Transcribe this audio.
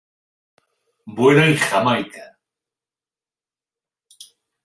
Vuela en Jamaica.